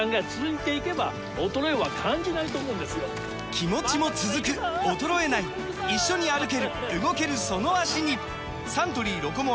気持ちも続く衰えない一緒に歩ける動けるその脚にサントリー「ロコモア」！